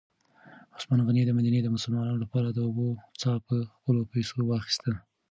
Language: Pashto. عثمان غني د مدینې د مسلمانانو لپاره د اوبو څاه په خپلو پیسو واخیسته.